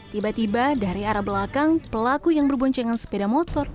tiba tiba dari arah belakang pelaku yang berboncengan sepeda motor